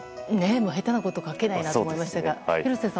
下手なこと書けないなと思いましたが、廣瀬さん